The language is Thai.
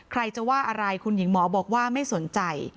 ใครจะว่าอะไรคุณหญิงหมอบอกว่าไม่สนใจ